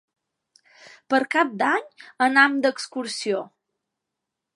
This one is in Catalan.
Per Cap d'Any anam d'excursió.